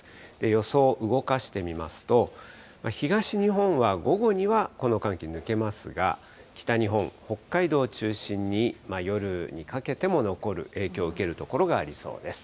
予想、動かしてみますと、東日本は午後にはこの寒気、抜けますが、北日本、北海道を中心に夜にかけても残る、影響を受ける所がありそうです。